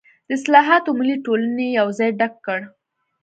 د اصلاحاتو ملي ټولنې یې ځای ډک کړ.